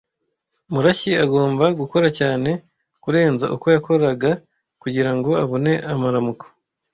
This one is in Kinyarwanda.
Murashyi agomba gukora cyane kurenza uko yakoraga kugirango abone amaramuko.